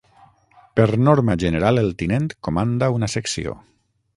Per norma general el tinent comanda una secció.